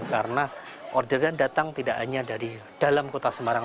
karena orderan datang tidak hanya dari dalam kota semarang